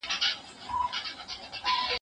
ویل وایه د عمرونو جادوګره